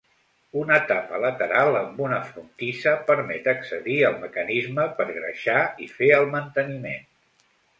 Una tapa lateral amb una frontissa permet accedir al mecanisme per greixar i fer el manteniment.